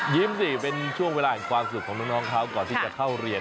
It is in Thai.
สิเป็นช่วงเวลาแห่งความสุขของน้องเขาก่อนที่จะเข้าเรียน